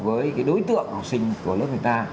với đối tượng học sinh của lớp người ta